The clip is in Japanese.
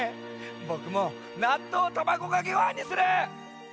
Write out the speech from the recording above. ぼくも「なっとうたまごかけごはん」にする！